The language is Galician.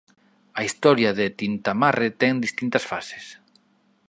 A historia de Tintamarre ten distintas fases.